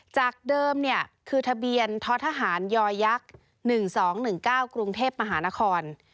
จากเดิมคือทะเบียนท้อทหารยักษ์๑๒๑๙กรุงเทพมหานคร